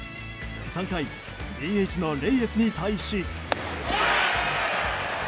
３回、ＤＨのレイエスに対し。